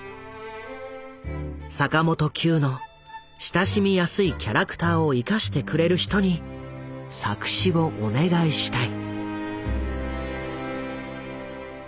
坂本九の親しみやすいキャラクターを生かしてくれる人に作詞をお願いしたい。